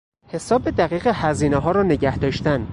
حساب دقیق هزینهها را نگه داشتن